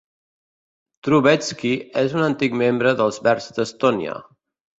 Trubetsky és un antic membre dels Verds d'Estònia.